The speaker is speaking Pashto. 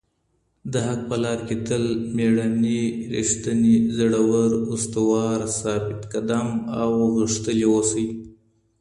د حق په لارکي تل مېړني رښتيني زړور استوار ثابت قدم او غښتلي اوسئ.